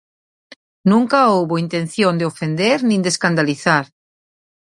Nunca houbo intención de ofender nin de escandalizar.